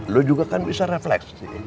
lo juga kan bisa refleks